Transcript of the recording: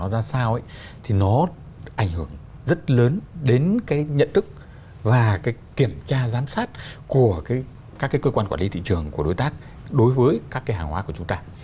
nó ra sao thì nó ảnh hưởng rất lớn đến cái nhận thức và cái kiểm tra giám sát của các cái cơ quan quản lý thị trường của đối tác đối với các cái hàng hóa của chúng ta